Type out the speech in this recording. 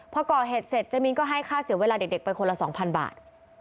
พอก่อเหตุเสร็จเจมินก็ให้ค่าเสียเวลาเด็กไปคนละ๒๐๐บาท